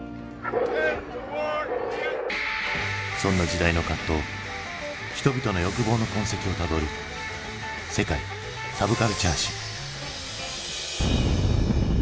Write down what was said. そんな時代の葛藤人々の欲望の痕跡をたどる「世界サブカルチャー史」。